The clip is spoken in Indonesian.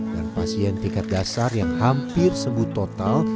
dan pasien tingkat dasar yang hampir sembuh total